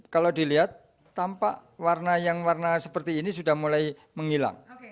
kalau dilihat tampak warna yang warna seperti ini sudah mulai menghilang